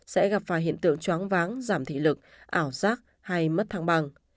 sẽ gặp phải hiện tượng choáng váng giảm thị lực ảo giác hay mất thăng bằng